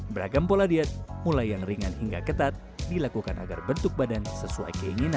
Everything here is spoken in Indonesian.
beragam pola diet mulai yang ringan hingga ketat dilakukan agar bentuk badan sesuai keinginan